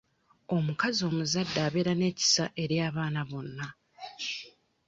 Omukazi omuzadde abeera n'ekisa eri abaana bonna.